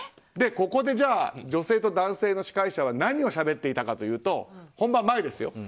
ここで、女性と男性の司会者は何をしゃべっていたかというと本番前ですよ。